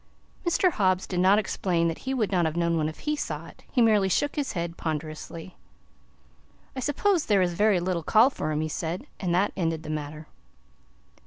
Mr. Hobbs did not explain that he would not have known one if he saw it. He merely shook his head ponderously. "I s'pose there is very little call for 'em," he said, and that ended the matter.